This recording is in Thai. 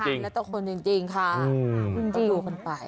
ค่ะและต่อคนจริงค่ะ